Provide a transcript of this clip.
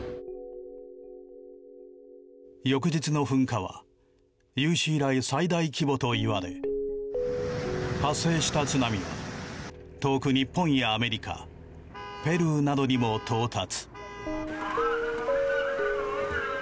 翌日の噴火は有史以来、最大規模といわれ発生した津波は遠く日本やアメリカ、ペルーなどにも到達。